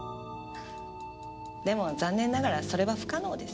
でも残念ながらそれは不可能です。